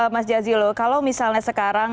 mas jazilul kalau misalnya sekarang